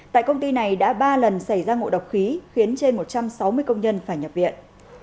tại công ty này đã ba lần xảy ra ngộ độc khí khiến trên một trăm sáu mươi công nhân phải nhập viện